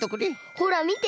ほらみて。